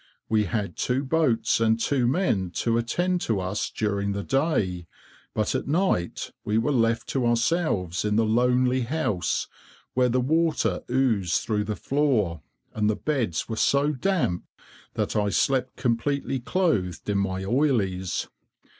We had two boats and two men to attend to us during the day, but at night we were left to ourselves in the lonely house, where the water oozed through the floor, and the beds were so damp that I slept completely clothed in my oilies.